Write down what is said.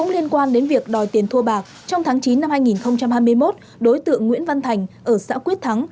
liên quan đến việc đòi tiền thu bạc trong tháng chín năm hai nghìn hai mươi một đối tượng nguyễn văn thành ở xã quyết thắng